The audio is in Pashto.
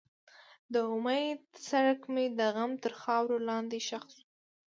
د امید څرک مې د غم تر خاورو لاندې ښخ شو.